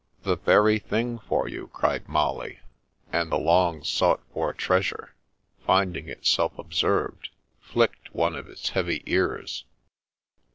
"The very thing for you!'* cried Molly; and the long sought for treasure, finding itself observed, flicked one of its heavy ears.